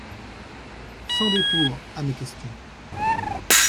sans détour, à mes questions.